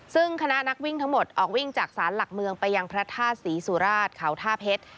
ซึ่งคณะนักวิ่งทั้งหมดออกวิ่งจากศาลหลักเมืองไปยังพระธาตุศรีสุราชเขาท่าเพชร